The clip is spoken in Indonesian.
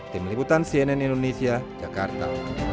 tim liputan cnn indonesia jakarta